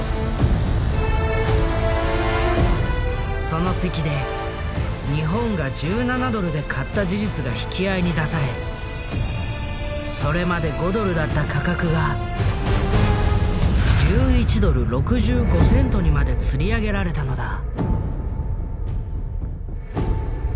その席で日本が１７ドルで買った事実が引き合いに出されそれまで５ドルだった価格が１１ドル６５セントにまでつり上げられたのだ。